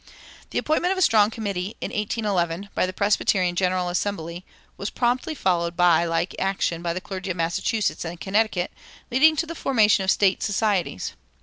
The appointment of a strong committee, in 1811, by the Presbyterian General Assembly was promptly followed by like action by the clergy of Massachusetts and Connecticut, leading to the formation of State societies.